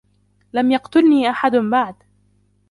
لم يقتلني أحد بعد.